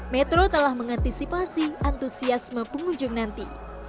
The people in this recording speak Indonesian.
metro telah mengantisipasi antusiasme pengunjung nanti